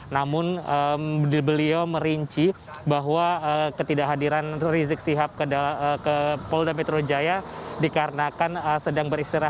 namun beliau merinci bahwa ketidakhadiran rizik sihab ke polda metro jaya dikarenakan sedang beristirahat